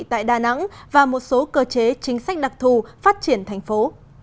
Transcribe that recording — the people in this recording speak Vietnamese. tại đà nẵng và một số cơ chế chính sách đặc thù phát triển thành phố